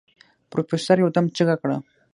پروفيسر يودم چيغه کړه.